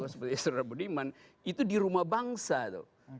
seperti yang sebutin ya itu di rumah bangsa tuh